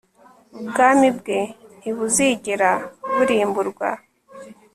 ubwami bwe ntibuzigera burimburwa